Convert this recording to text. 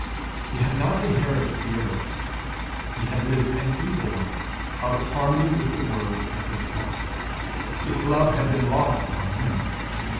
He had not inherited the earth. He had lived an evil life, out of harmony with the world and its God. Its love had been lost upon him.